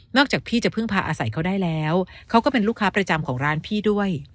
จากพี่จะพึ่งพาอาศัยเขาได้แล้วเขาก็เป็นลูกค้าประจำของร้านพี่ด้วย